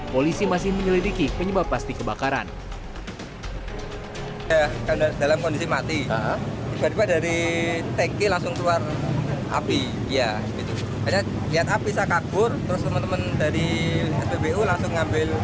polisi masih menyelidiki penyebab pasti kebakaran